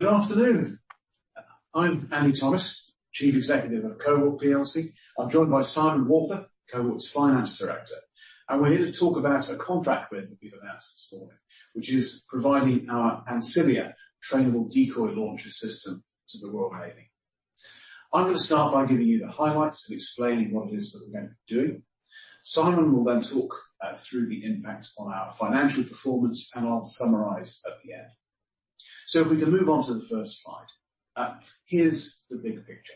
Good afternoon. I'm Andrew Thomis, Chief Executive of Cohort PLC. I'm joined by Simon Walther, Cohort's Finance Director, and we're here to talk about a contract win that we've announced this morning, which is providing our Ancilia trainable decoy launcher system to the Royal Navy. I'm going to start by giving you the highlights and explaining what it is that we're going to be doing. Simon will then talk through the impact on our financial performance, and I'll summarize at the end. So if we can move on to the first slide, here's the big picture.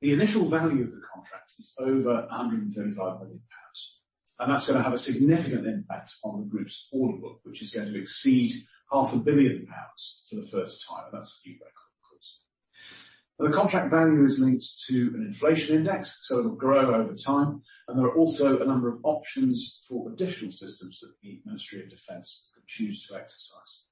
The initial value of the contract is over 135 million pounds, and that's going to have a significant impact on the group's order book, which is going to exceed 500 million pounds for the first time, and that's a few records, of course. Now, the contract value is linked to an inflation index, so it'll grow over time, and there are also a number of options for additional systems that the Ministry of Defence could choose to exercise.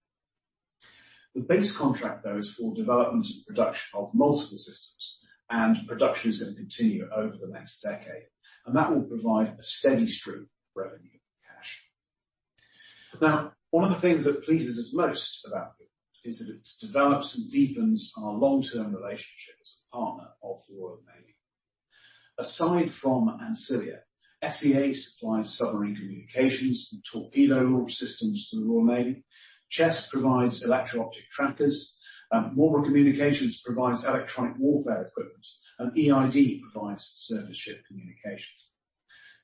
The base contract, though, is for development and production of multiple systems, and production is going to continue over the next decade, and that will provide a steady stream of revenue and cash. Now, one of the things that pleases us most about it is that it develops and deepens our long-term relationship as a partner of the Royal Navy. Aside from Ancilia, SEA supplies submarine communications and torpedo launch systems to the Royal Navy. Chess provides electro-optic trackers. Marlborough Communications provides electronic warfare equipment, and EID provides surface ship communications.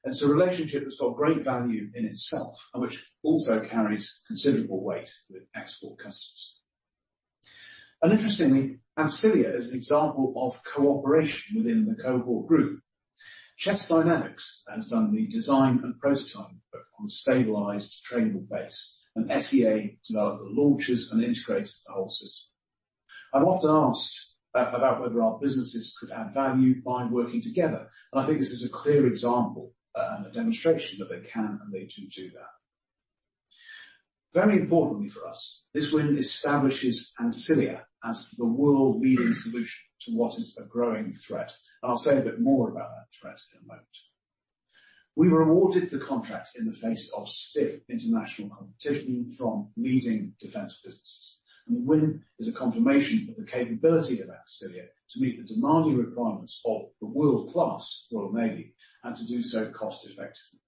And it's a relationship that's got great value in itself and which also carries considerable weight with export customers. Interestingly, Ancilia is an example of cooperation within the Cohort group. Chess Dynamics has done the design and prototyping work on a stabilized trainable base, and SEA developed the launchers and integrated the whole system. I'm often asked about whether our businesses could add value by working together, and I think this is a clear example and a demonstration that they can and they do do that. Very importantly for us, this win establishes Ancilia as the world-leading solution to what is a growing threat, and I'll say a bit more about that threat in a moment. We were awarded the contract in the face of stiff international competition from leading defense businesses, and the win is a confirmation of the capability of Ancilia to meet the demanding requirements of the world-class Royal Navy and to do so cost-effectively.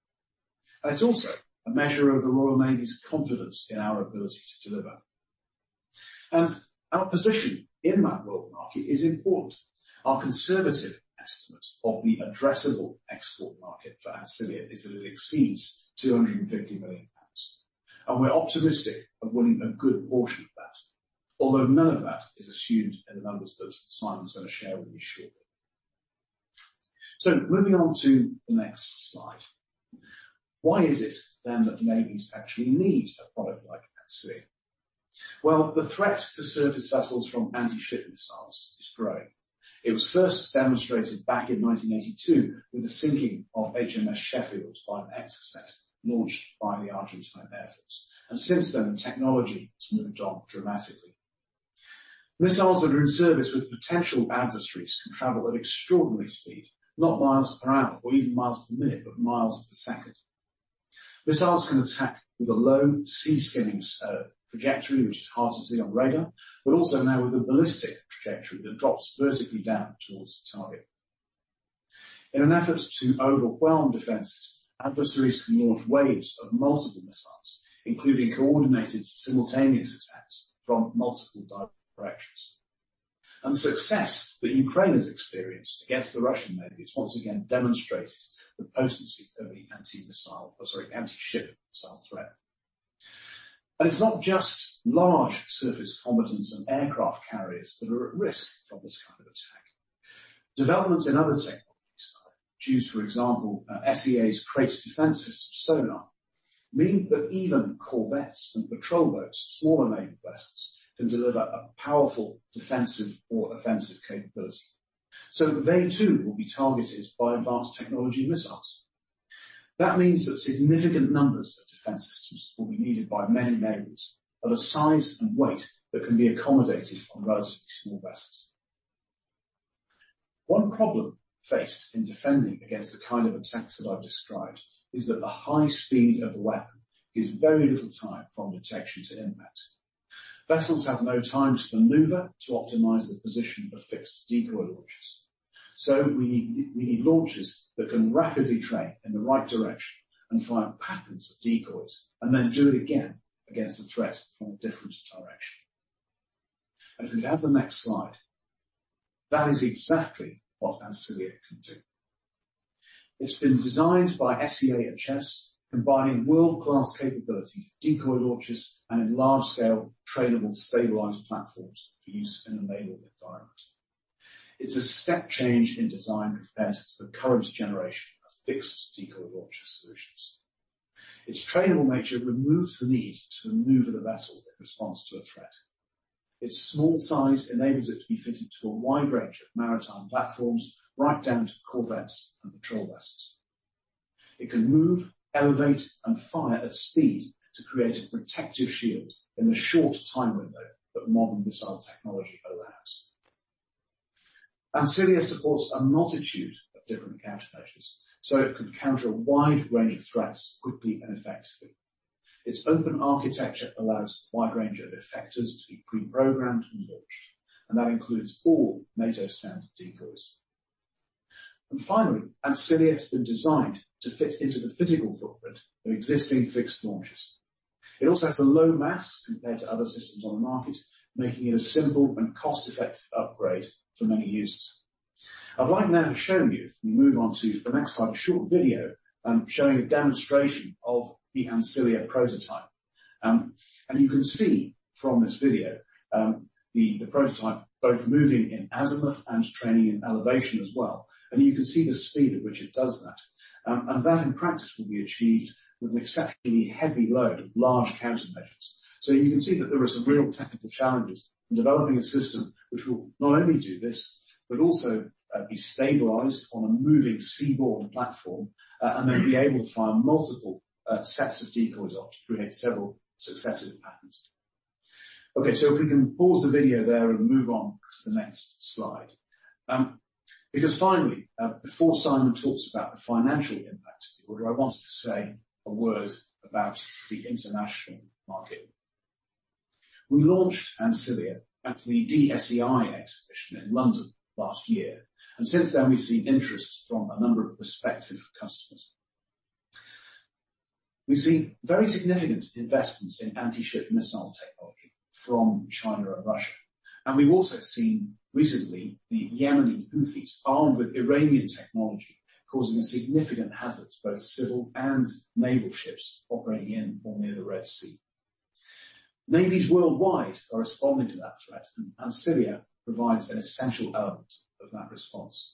And it's also a measure of the Royal Navy's confidence in our ability to deliver. Our position in that world market is important. Our conservative estimate of the addressable export market for Ancilia is that it exceeds 250 million pounds, and we're optimistic of winning a good portion of that, although none of that is assumed in the numbers that Simon's going to share with you shortly. Moving on to the next slide. Why is it then that the Navy's actually need a product like Ancilia? Well, the threat to surface vessels from anti-ship missiles is growing. It was first demonstrated back in 1982 with the sinking of HMS Sheffield by an Exocet launched by the Argentine Air Force, and since then the technology has moved on dramatically. Missiles that are in service with potential adversaries can travel at extraordinary speed, not miles per hour or even miles per minute, but miles per second. Missiles can attack with a low sea-skimming trajectory, which is hard to see on radar, but also now with a ballistic trajectory that drops vertically down towards the target. In an effort to overwhelm defenses, adversaries can launch waves of multiple missiles, including coordinated simultaneous attacks from multiple directions. The success that Ukraine has experienced against the Russian Navy has once again demonstrated the potency of the anti-missile or, sorry, anti-ship missile threat. It's not just large surface combatants and aircraft carriers that are at risk from this kind of attack. Developments in other technologies, choose, for example, SEA's Krait Defence System sonar, mean that even corvettes and patrol boats, smaller naval vessels, can deliver a powerful defensive or offensive capability. So they, too, will be targeted by advanced technology missiles. That means that significant numbers of defense systems will be needed by many navies of a size and weight that can be accommodated on relatively small vessels. One problem faced in defending against the kind of attacks that I've described is that the high speed of the weapon gives very little time from detection to impact. Vessels have no time to maneuver to optimize the position of fixed decoy launchers. So we need launchers that can rapidly train in the right direction and fire patterns of decoys and then do it again against a threat from a different direction. And if we could have the next slide, that is exactly what Ancilia can do. It's been designed by SEA and Chess combining world-class capabilities, decoy launchers, and enlarged-scale trainable stabilized platforms for use in a naval environment. It's a step change in design compared to the current generation of fixed decoy launcher solutions. Its trainable nature removes the need to maneuver the vessel in response to a threat. Its small size enables it to be fitted to a wide range of maritime platforms, right down to corvettes and patrol vessels. It can move, elevate, and fire at speed to create a protective shield in the short time window that modern missile technology allows. Ancilia supports a multitude of different countermeasures, so it can counter a wide range of threats quickly and effectively. Its open architecture allows a wide range of effectors to be pre-programmed and launched, and that includes all NATO-standard decoys. And finally, Ancilia has been designed to fit into the physical footprint of existing fixed launchers. It also has a low mass compared to other systems on the market, making it a simple and cost-effective upgrade for many users. I'd like now to show you when we move on to the next slide a short video showing a demonstration of the Ancilia prototype. You can see from this video the prototype both moving in azimuth and training in elevation as well, and you can see the speed at which it does that. That in practice will be achieved with an exceptionally heavy load of large countermeasures. You can see that there are some real technical challenges in developing a system which will not only do this but also be stabilized on a moving seaborne platform and then be able to fire multiple sets of decoys off to create several successive patterns. Okay, so if we can pause the video there and move on to the next slide. Because finally, before Simon talks about the financial impact of the order, I wanted to say a word about the international market. We launched Ancilia at the DSEI exhibition in London last year, and since then we've seen interest from a number of prospective customers. We've seen very significant investments in anti-ship missile technology from China and Russia, and we've also seen recently the Yemeni Houthis armed with Iranian technology causing significant hazards both civil and naval ships operating in or near the Red Sea. Navies worldwide are responding to that threat, and Ancilia provides an essential element of that response.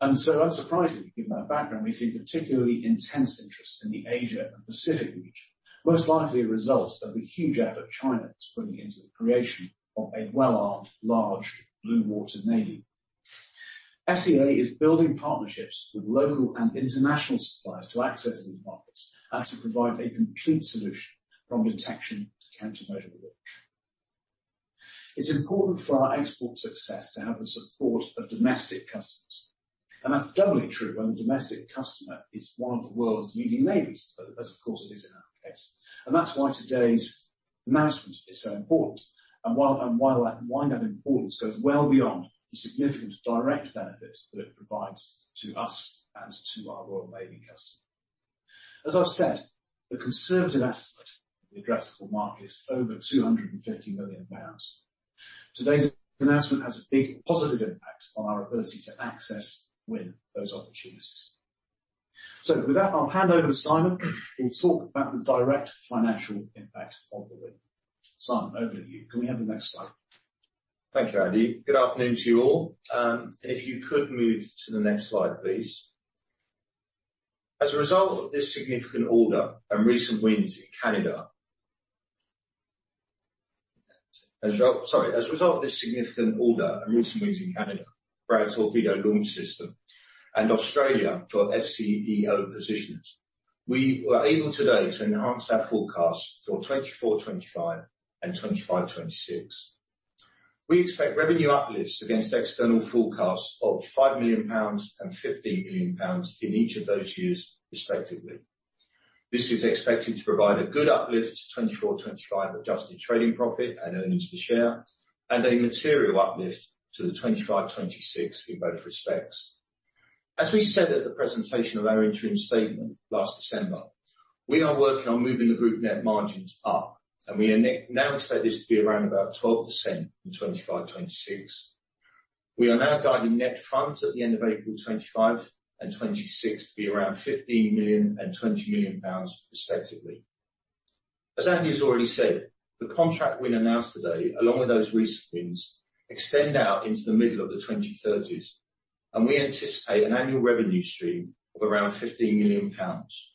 And so unsurprisingly, given that background, we've seen particularly intense interest in the Asia and Pacific region, most likely a result of the huge effort China is putting into the creation of a well-armed, large blue-water navy. SEA is building partnerships with local and international suppliers to access these markets and to provide a complete solution from detection to countermeasure launch. It's important for our export success to have the support of domestic customers, and that's doubly true when the domestic customer is one of the world's leading navies as, of course, it is in our case. And that's why today's announcement is so important and why that importance goes well beyond the significant direct benefit that it provides to us and to our Royal Navy customers. As I've said, the conservative estimate of the addressable market is over 250 million pounds. Today's announcement has a big positive impact on our ability to access and win those opportunities. So with that, I'll hand over to Simon. We'll talk about the direct financial impact of the win. Simon, over to you. Can we have the next slide? Thank you, Andy. Good afternoon to you all. If you could move to the next slide, please. As a result of this significant order and recent wins in Canada for the torpedo launch system, and Australia for SCEO positions, we were able today to enhance our forecasts for 2024-2025 and 2025-2026. We expect revenue uplifts against external forecasts of 5 million pounds and 15 million pounds in each of those years, respectively. This is expected to provide a good uplift to 2024-2025 adjusted trading profit and earnings per share, and a material uplift to the 2025-2026 in both respects. As we said at the presentation of our interim statement last December, we are working on moving the group net margins up, and we now expect this to be around about 12% in 2025-2026. We are now guiding net funds at the end of April 2025 and 2026 to be around 15 million and 20 million pounds, respectively. As Andy has already said, the contract win announced today, along with those recent wins, extend out into the middle of the 2030s, and we anticipate an annual revenue stream of around 15 million pounds.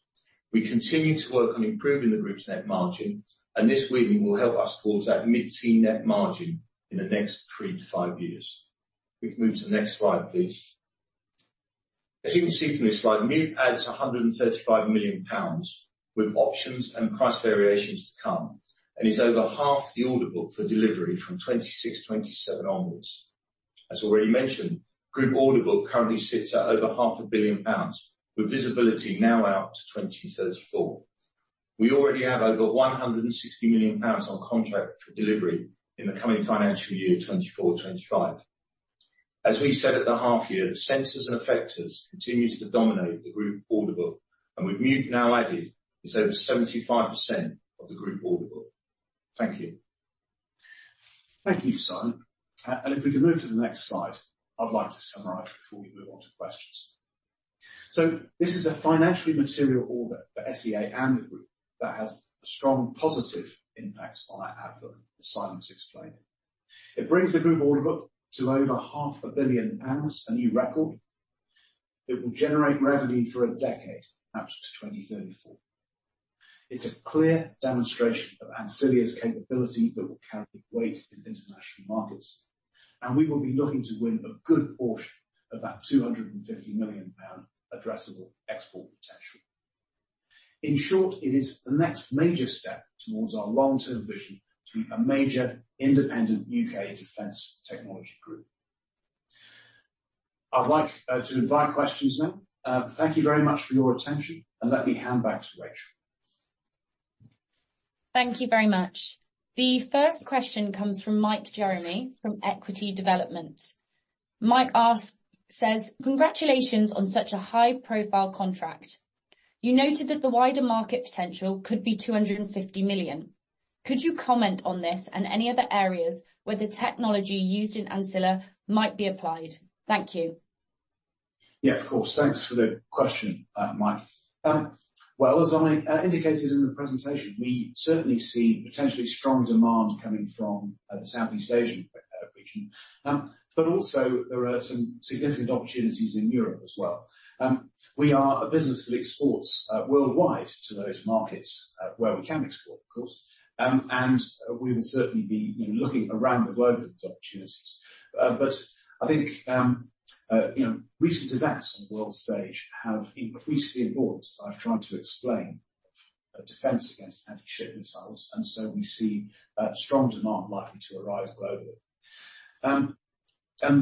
We continue to work on improving the group's net margin, and this win will help us towards that mid-teen net margin in the next three to five years. We can move to the next slide, please. As you can see from this slide, MEWP adds 135 million pounds with options and price variations to come, and is over half the order book for delivery from 2026-2027 onwards. As already mentioned, group order book currently sits at over 500 million pounds, with visibility now out to 2034. We already have over 160 million pounds on contract for delivery in the coming financial year, 2024-2025. As we said at the half-year, sensors and effectors continue to dominate the group order book, and with MP now added, it's over 75% of the group order book. Thank you. Thank you, Simon. If we can move to the next slide, I'd like to summarize before we move on to questions. This is a financially material order for SEA and the group that has a strong positive impact on our outlook, as Simon's explained. It brings the group order book to over 500 million pounds, a new record. It will generate revenue for a decade, perhaps to 2034. It's a clear demonstration of Ancilia's capability that will carry weight in international markets, and we will be looking to win a good portion of that 250 million pound addressable export potential. In short, it is the next major step towards our long-term vision to be a major independent U.K. defense technology group. I'd like to invite questions now. Thank you very much for your attention, and let me hand back to Rachel. Thank you very much. The first question comes from Mike Jeremy from Equity Development. Mike asks, says, "Congratulations on such a high-profile contract. You noted that the wider market potential could be 250 million. Could you comment on this and any other areas where the technology used in Ancilia might be applied? Thank you. Yeah, of course. Thanks for the question, Mike. Well, as I indicated in the presentation, we certainly see potentially strong demand coming from the Southeast Asian region, but also there are some significant opportunities in Europe as well. We are a business that exports worldwide to those markets where we can export, of course, and we will certainly be, you know, looking around the globe for these opportunities. But I think, you know, recent events on the world stage have increased the importance, as I've tried to explain, of defense against anti-ship missiles, and so we see strong demand likely to arrive globally. And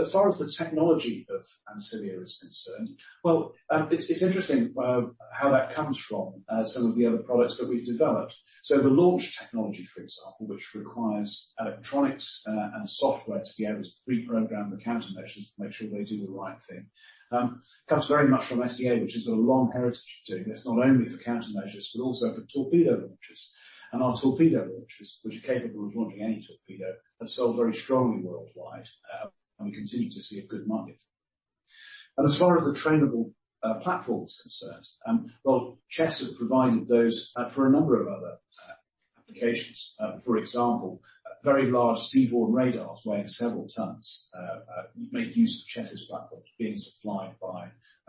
as far as the technology of Ancilia is concerned, well, it's interesting how that comes from some of the other products that we've developed. So the launch technology, for example, which requires electronics and software to be able to pre-program the countermeasures to make sure they do the right thing, comes very much from SEA, which has got a long heritage of doing this not only for countermeasures but also for torpedo launchers. Our torpedo launchers, which are capable of launching any torpedo, have sold very strongly worldwide, and we continue to see a good market for them. As far as the trainable platform is concerned, well, Chess has provided those for a number of other applications. For example, very large seaborne radars weighing several tons make use of Chess's platforms,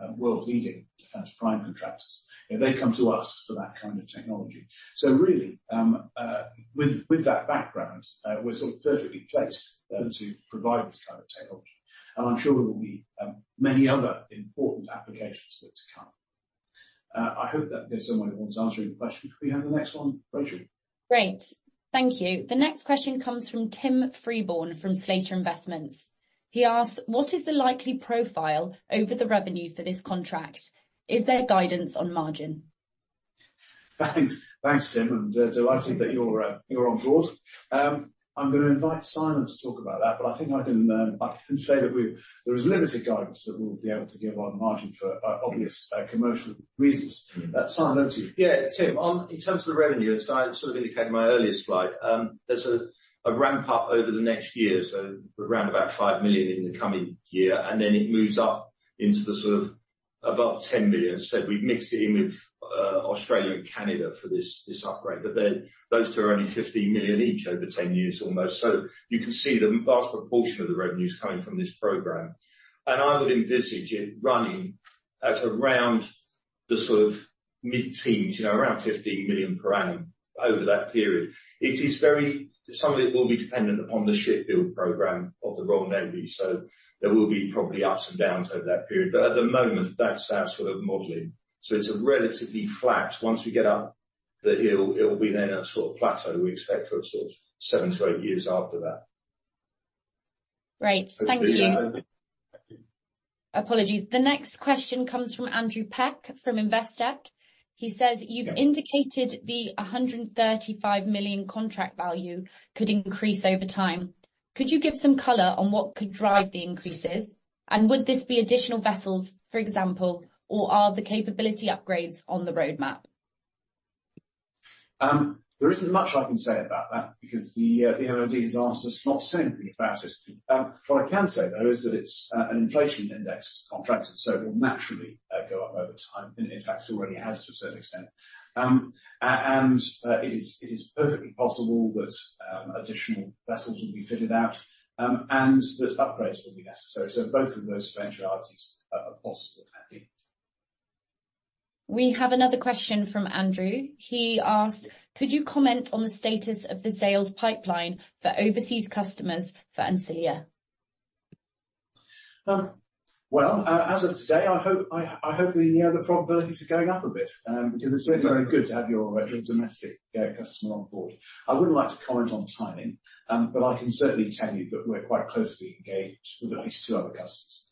being supplied by world-leading defense prime contractors. They come to us for that kind of technology. So really, with that background, we're sort of perfectly placed to provide this kind of technology, and I'm sure there will be many other important applications for it to come. I hope that there's somebody who wants to answer any questions. Could we have the next one, Rachel? Great. Thank you. The next question comes from Tim Freeborn from Slater Investments. He asks, "What is the likely profile over the revenue for this contract? Is there guidance on margin?" Thanks. Thanks, Tim, and delighted that you're on board. I'm going to invite Simon to talk about that, but I think I can say that there is limited guidance that we'll be able to give on margin for obvious commercial reasons. Simon, over to you. Yeah, Tim. In terms of the revenue, as I sort of indicated in my earlier slide, there's a ramp-up over the next year, so around about 5 million in the coming year, and then it moves up into the sort of above 10 million. As I said, we've mixed it in with Australia and Canada for this upgrade, but those two are only 15 million each over 10 years almost. So you can see the vast proportion of the revenue is coming from this programme, and I would envisage it running at around the sort of mid-teens, you know, around 15 million per annum over that period. It is very some of it will be dependent upon the shipbuild program of the Royal Navy, so there will be probably ups and downs over that period. But at the moment, that's our sort of modeling. So it's relatively flat. Once we get up the hill, it'll be then a sort of plateau we expect for sort of seven to eight years after that. Great. Thank you. Apologies. The next question comes from Andrew Peck from Investec. He says, "You've indicated the 135 million contract value could increase over time. Could you give some color on what could drive the increases, and would this be additional vessels, for example, or are the capability upgrades on the roadmap?" There isn't much I can say about that because the MOD has asked us not to say too much about it. What I can say, though, is that it's an inflation-indexed contract, and so it will naturally go up over time. In fact, it already has to a certain extent. And it is perfectly possible that additional vessels will be fitted out and that upgrades will be necessary. So both of those vectors are possible, Andy. We have another question from Andrew. He asks, "Could you comment on the status of the sales pipeline for overseas customers for Ancilia?" Well, as of today, I hope the probabilities are going up a bit because it's certainly very good to have your domestic customer on board. I wouldn't like to comment on timing, but I can certainly tell you that we're quite closely engaged with at least two other customers.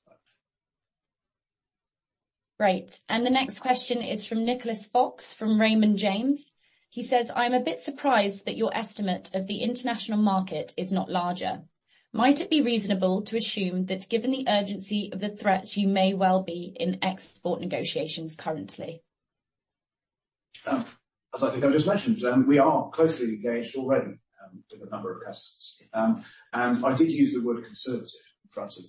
Great. And the next question is from Nicholas Fox from Raymond James. He says, "I'm a bit surprised that your estimate of the international market is not larger. Might it be reasonable to assume that given the urgency of the threats, you may well be in export negotiations currently? As I think I just mentioned, we are closely engaged already with a number of customers. I did use the word conservative in front of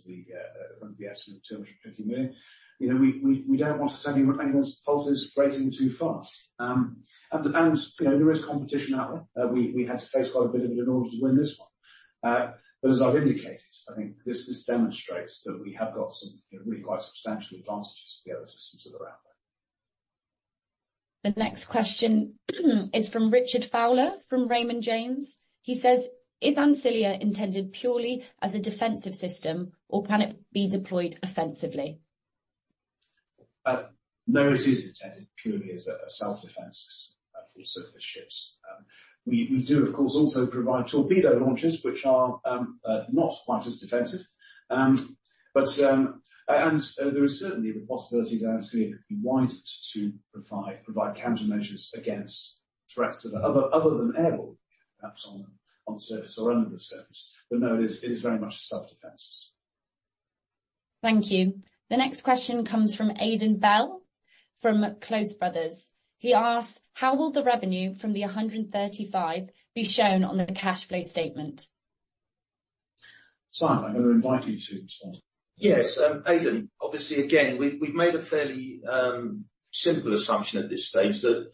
the estimate of 250 million. You know, we don't want to send anyone's pulses racing too fast. There is competition out there. We had to face quite a bit of it in order to win this one. But as I've indicated, I think this demonstrates that we have got some really quite substantial advantages to the other systems that are out there. The next question is from Richard Fowler from Raymond James. He says, "Is Ancilia intended purely as a defensive system, or can it be deployed offensively?" No, it is intended purely as a self-defence system for the ships. We do, of course, also provide torpedo launchers, which are not quite as defensive. And there is certainly the possibility that Ancilia could be widened to provide countermeasures against threats other than airborne, perhaps on the surface or under the surface. But no, it is very much a self-defence system. Thank you. The next question comes from Aidan Bell from Close Brothers. He asks, "How will the revenue from the 135 be shown on the cash flow statement?" Simon, I'm going to invite you to respond. Yes. Aidan, obviously, again, we've made a fairly simple assumption at this stage that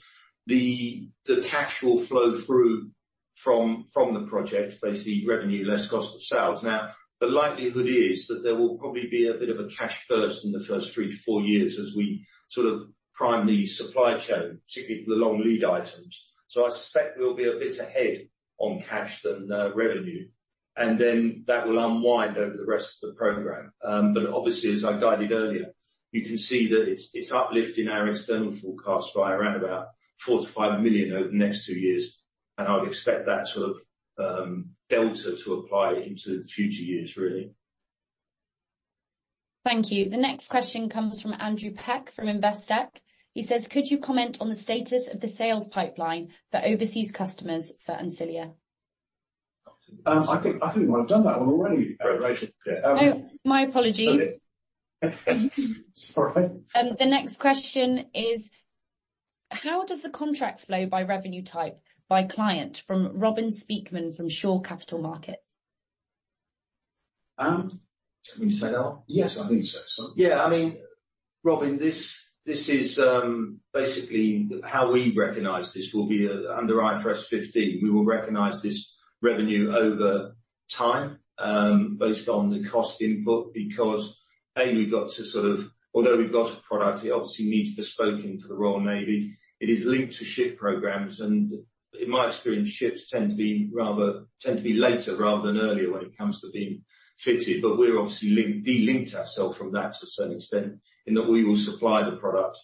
the cash will flow through from the project, basically revenue less cost of sales. Now, the likelihood is that there will probably be a bit of a cash burst in the first three to four years as we sort of prime the supply chain, particularly for the long lead items. So I suspect we'll be a bit ahead on cash than revenue, and then that will unwind over the rest of the program. But obviously, as I guided earlier, you can see that it's uplifting our external forecasts by around about 4 million-5 million over the next two years, and I would expect that sort of delta to apply into the future years, really. Thank you. The next question comes from Andrew Peck from Investec. He says, "Could you comment on the status of the sales pipeline for overseas customers for Ancilia?" I think we might have done that one already, Rachel. Oh, my apologies. Sorry. The next question is, "How does the contract flow by revenue type by client?" from Robin Speakman from Shore Capital Markets. Can we say that one? Yes, I think so, Simon. Yeah, I mean, Robin, this is basically how we recognize this will be under IFRS 15. We will recognize this revenue over time based on the cost input because, A, we've got to sort of although we've got a product, it obviously needs bespoking for the Royal Navy. It is linked to ship programs, and in my experience, ships tend to be later rather than earlier when it comes to being fitted. But we're obviously delinked ourselves from that to a certain extent in that we will supply the product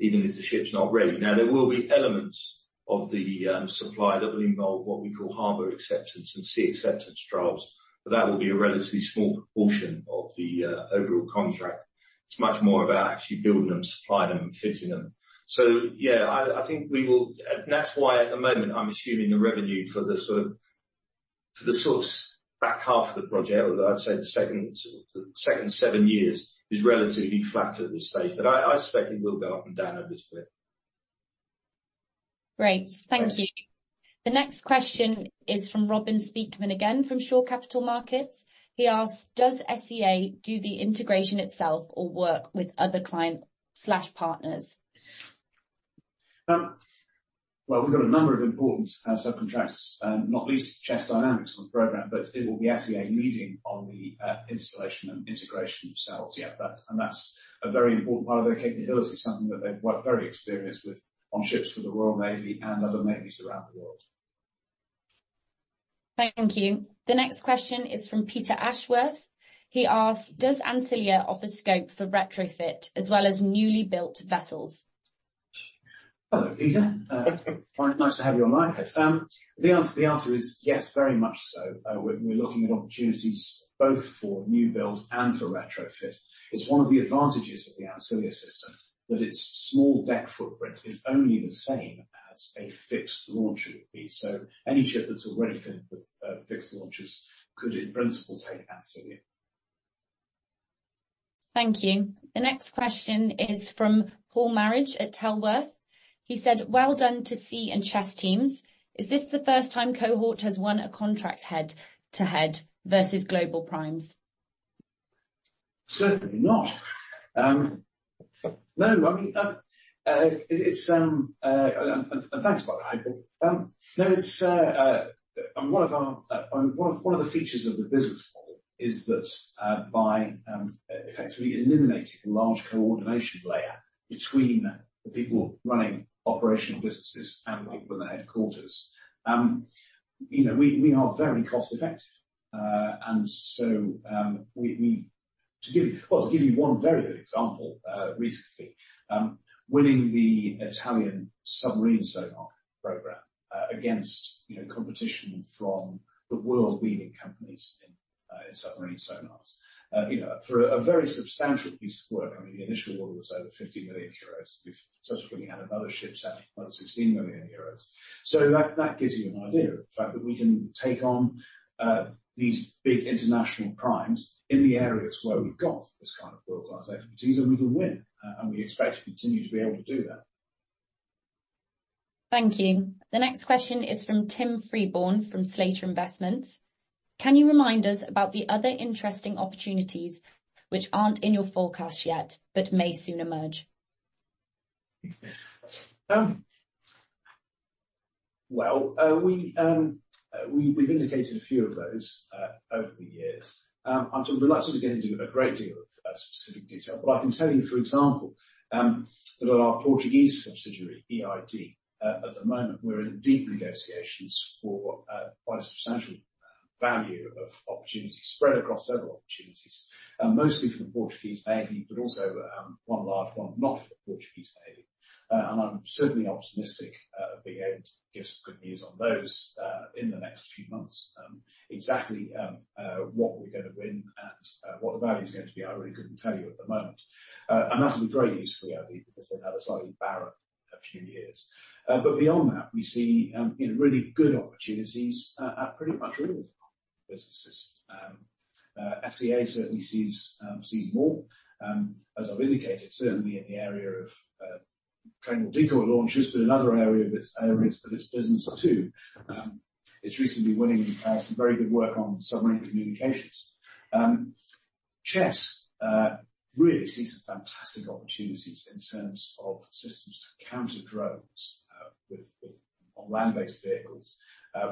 even if the ship's not ready. Now, there will be elements of the supply that will involve what we call harbor acceptance and sea acceptance trials, but that will be a relatively small proportion of the overall contract. It's much more about actually building them, supplying them, and fitting them. So yeah, I think we will and that's why at the moment I'm assuming the revenue for the sort of back half of the project, or I'd say the second seven years, is relatively flat at this stage. But I suspect it will go up and down a bit too. Great. Thank you. The next question is from Robin Speakman again from Shore Capital Markets. He asks, "Does SEA do the integration itself or work with other client/partners?" Well, we've got a number of important subcontractors, not least Chess Dynamics on the program, but it will be SEA leading on the installation and integration of cells, yeah. That's a very important part of their capability, something that they've worked very experienced with on ships for the Royal Navy and other navies around the world. Thank you. The next question is from Peter Ashworth. He asks, "Does Ancilia offer scope for retrofit as well as newly built vessels?" Hello, Peter. Nice to have you on my list. The answer is yes, very much so. We're looking at opportunities both for new build and for retrofit. It's one of the advantages of the Ancilia system that its small deck footprint is only the same as a fixed launcher would be. So any ship that's already fitted with fixed launchers could, in principle, take Ancilia. Thank you. The next question is from Paul Marriage at Tellworth. He said, "Well done to SEA and Chess teams. Is this the first time Cohort has won a contract head-to-head versus Global Primes?" Certainly not. No, I mean, and thanks for that, Paul. No, one of the features of the business model is that by effectively eliminating a large coordination layer between the people running operational businesses and the people in the headquarters, we are very cost-effective. So to give you one very good example, recently, winning the Italian submarine sonar programme against competition from the world-leading companies in submarine sonars, for a very substantial piece of work. I mean, the initial order was over 50 million euros. We've subsequently had another ship sending another 16 million euros. So that gives you an idea of the fact that we can take on these big international primes in the areas where we've got this kind of world-class expertise, and we can win. And we expect to continue to be able to do that. Thank you. The next question is from Tim Freeborn from Slater Investments. "Can you remind us about the other interesting opportunities which aren't in your forecast yet but may soon emerge?" Well, we've indicated a few of those over the years. I'm reluctant to get into a great deal of specific detail, but I can tell you, for example, that on our Portuguese subsidiary, EID, at the moment, we're in deep negotiations for quite a substantial value of opportunity spread across several opportunities, mostly for the Portuguese Navy, but also one large one not for the Portuguese Navy. I'm certainly optimistic of being able to give some good news on those in the next few months. Exactly what we're going to win and what the value is going to be, I really couldn't tell you at the moment. That'll be great news for EID because they've had a slightly barren few years. Beyond that, we see really good opportunities at pretty much all of our businesses. SEA certainly sees more, as I've indicated, certainly in the area of trainable decoy launchers, but in other areas of its business too. It's recently winning some very good work on submarine communications. Chess really sees some fantastic opportunities in terms of systems to counter drones on land-based vehicles,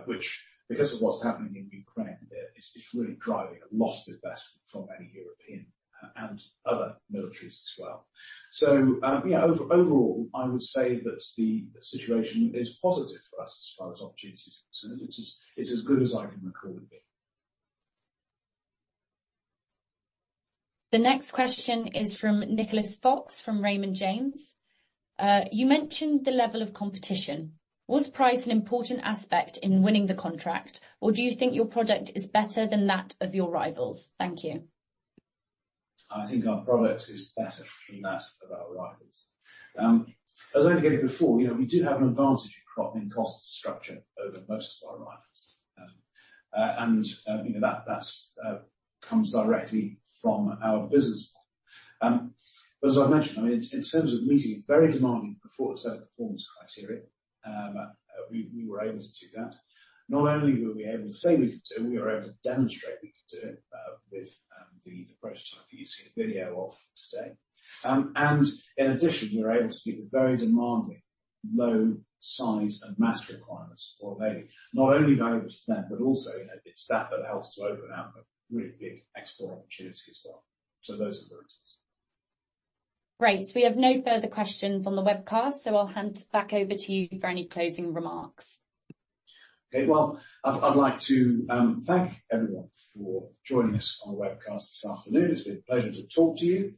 which because of what's happening in Ukraine, it's really driving a lot of investment from many European and other militaries as well. So yeah, overall, I would say that the situation is positive for us as far as opportunities are concerned. It's as good as I can recall it being. The next question is from Nicholas Fox from Raymond James. "You mentioned the level of competition. Was price an important aspect in winning the contract, or do you think your product is better than that of your rivals? Thank you." I think our product is better than that of our rivals. As I indicated before, we do have an advantage in cost structure over most of our rivals, and that comes directly from our business model. But as I've mentioned, I mean, in terms of meeting a very demanding set of performance criteria, we were able to do that. Not only were we able to say we could do it, we were able to demonstrate we could do it with the prototype that you see a video of today. And in addition, we were able to meet the very demanding low-size and mass requirements for the navy, not only valuable to them, but also it's that that helps to open up a really big export opportunity as well. So those are the reasons. Great. We have no further questions on the webcast, so I'll hand back over to you for any closing remarks. Okay. Well, I'd like to thank everyone for joining us on the webcast this afternoon. It's been a pleasure to talk to you,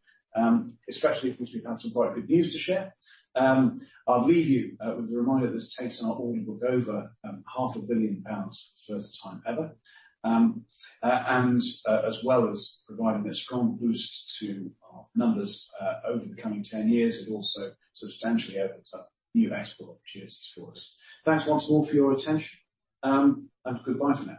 especially because we've had some quite good news to share. I'll leave you with a reminder that has taken our order book over GBP 500 million for the first time ever, and as well as providing a strong boost to our numbers over the coming 10 years, it also substantially opens up new export opportunities for us. Thanks once more for your attention, and goodbye for now.